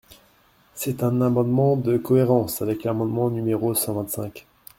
C’est un amendement de cohérence avec l’amendement numéro cent vingt-cinq.